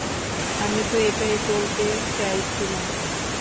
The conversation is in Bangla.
আমি তো এটাই বলতে চাইছিলাম।